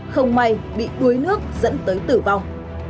không may bị đuối nước dẫn tới tử vong